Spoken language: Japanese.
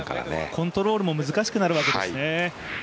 コントロールも難しくなるわけですね。